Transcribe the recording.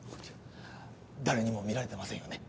誰にも見られてませんよね？